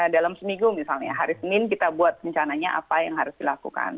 dalam seminggu misalnya hari senin kita buat rencananya apa yang harus dilakukan